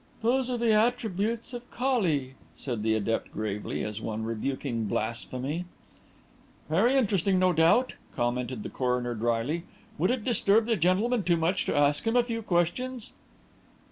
"Those are the attributes of Kali," said the adept gravely, as one rebuking blasphemy. "Very interesting, no doubt," commented the coroner drily. "Would it disturb the gentleman too much to ask him a few questions?"